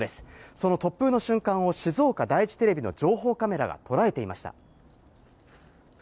その突風の瞬間を静岡第一テレビの情報カメラが捉えていました。